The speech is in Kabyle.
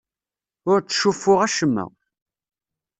Ur ttcuffuɣ acemma.